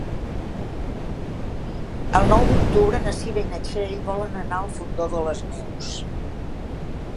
El nou d'octubre na Cira i na Txell volen anar al Fondó de les Neus.